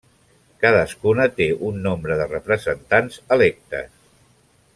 Cadascuna té un nombre de representants electes.